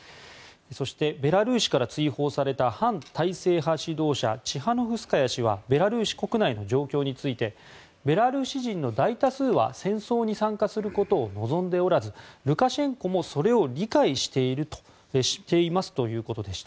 そしてベラルーシから追放された反体制派指導者チハノフスカヤ氏はベラルーシ国内の状況についてベラルーシ人の大多数は戦争に参加することを望んでおらずルカシェンコもそれを理解していますということでした。